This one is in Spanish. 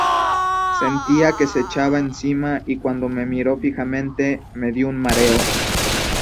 Sentía que se echaba encima y cuando me miró fijamente, me dio un mareo.